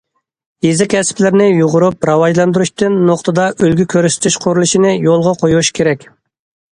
يېزا كەسىپلىرىنى يۇغۇرۇپ راۋاجلاندۇرۇشتىن نۇقتىدا ئۈلگە كۆرسىتىش قۇرۇلۇشىنى يولغا قويۇش كېرەك.